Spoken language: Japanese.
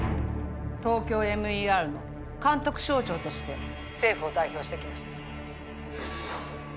ＴＯＫＹＯＭＥＲの監督省庁として政府を代表して来ましたくそっ